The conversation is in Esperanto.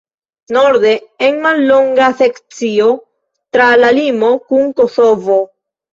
Norde en mallonga sekcio tra la limo kun Kosovo.